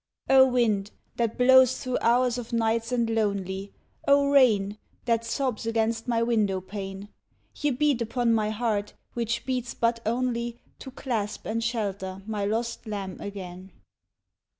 Oh wind! that blows through hours of nights and lonely, Oh rain! that sobs against my window pane, Ye beat upon my heart, which beats but only To clasp and shelter my lost lamb again.